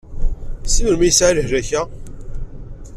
Seg melmi i yesɛa lehlak-a?